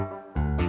nih si tati